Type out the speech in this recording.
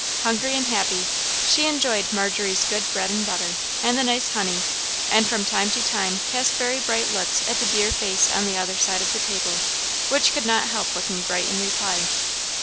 Hungry and happy, she enjoyed Margery's good bread and butter, and the nice honey, and from time to time cast very bright looks at the dear face on the other side of the table, which could not help looking bright in reply.